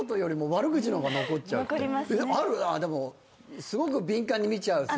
でもすごく敏感に見ちゃう世代かな。